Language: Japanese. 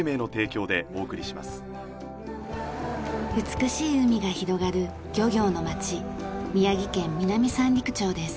美しい海が広がる漁業の町宮城県南三陸町です。